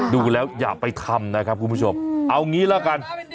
ดูแล้วอย่าไปทำนะครับคุณผู้ชมเอางี้ละกัน